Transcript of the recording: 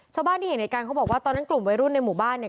ชาวบ้านที่เห็นเหตุการณ์เขาบอกว่าตอนนั้นกลุ่มวัยรุ่นในหมู่บ้านเนี่ย